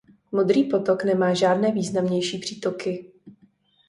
Modrý potok nemá žádné významnější přítoky.